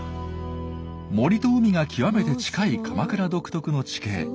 森と海が極めて近い鎌倉独特の地形。